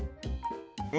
え？